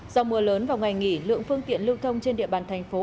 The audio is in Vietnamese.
do mưa lớn vào ngày nghỉ lượng phương tiện lưu thông trên địa bàn thành phố